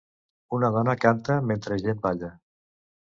Una dona canta mentre gent balla.